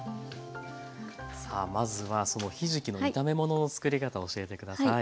さあまずはそのひじきの炒め物の作り方を教えて下さい。